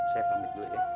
saya pamit dulu ya